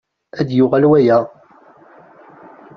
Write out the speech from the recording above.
Ad d-yuɣal waya?